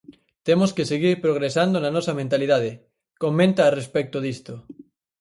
"Temos que seguir progresando na nosa mentalidade", comenta a respecto disto.